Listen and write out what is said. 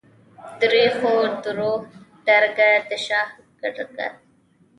درېښو دروح درګه ، دشاهرګه